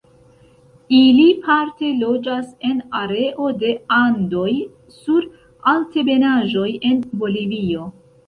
Ili parte loĝas en areo de Andoj sur altebenaĵoj en Bolivio.